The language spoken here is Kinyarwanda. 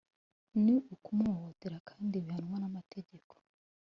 ni ukumuhohotera kandi bihanwa n’amategeko.